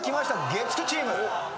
月９チーム。